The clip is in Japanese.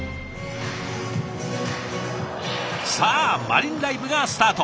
さあマリンライブがスタート！